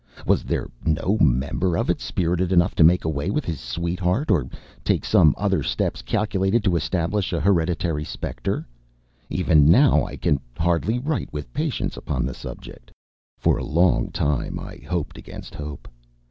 Was there no member of it spirited enough to make away with his sweetheart, or take some other steps calculated to establish a hereditary spectre? Even now I can hardly write with patience upon the subject. For a long time I hoped against hope.